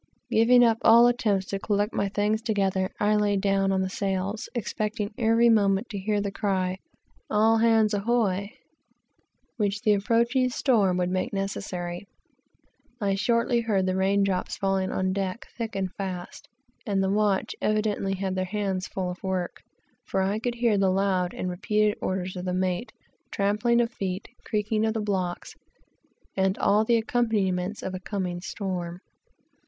Giving up all attempts to collect my things together, I lay down upon the sails, expecting every moment to hear the cry of "all hands, ahoy," which the approaching storm would soon make necessary. I shortly heard the rain drops falling on deck, thick and fast, and the watch evidently had their hands full of work, for I could hear the loud and repeated orders of the mate, the trampling of feet, the creaking of blocks, and all the accompaniments of a coming storm.